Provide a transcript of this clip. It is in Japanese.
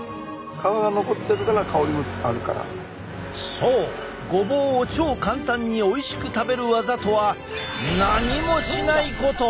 そうごぼうを超簡単においしく食べるワザとは何もしないこと！